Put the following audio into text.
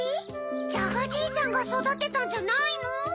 ジャガじいさんがそだてたんじゃないの？